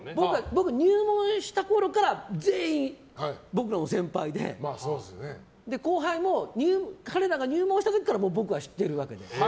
僕が入門したころから全員先輩で後輩も彼らが入門した時から僕は知っているわけで。